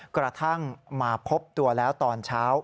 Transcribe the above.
กระทั่งมาพบตัวแล้วตอนเช้า